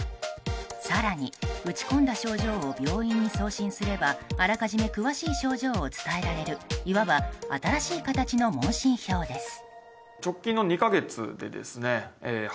更に打ち込んだ症状を病院に送信すればあらかじめ詳しい症状を伝えられるいわば新しい形の問診票です。